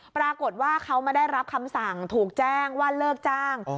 ปรากฏว่าเขามาได้รับคำสั่งถูกแจ้งว่าเลิกจ้าง